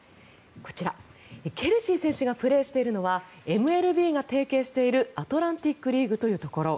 こちら、ケルシー選手がプレーしているのはＭＬＢが提携しているアトランティック・リーグというところ。